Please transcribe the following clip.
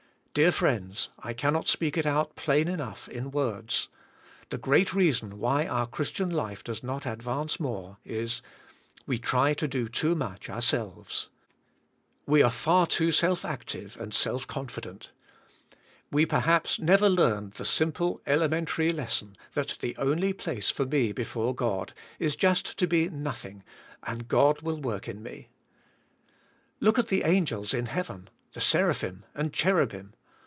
Dear friends, I cannot speak it out plain enough in words. The great reason why our Christian life does not advance more, is: we try to do too much ourselves. We are far too self active and self confident. We, perhaps, never learned the 148 The; spirituai^ life;. simple elementary lesson that the only place for me before God is just to be nothing and God will work in me. Look at the ang els in heaven, the seraphim and cherubim.